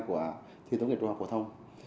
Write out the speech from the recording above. của thi tốt nghiệp trong phổ thông